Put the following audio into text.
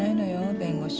弁護士は。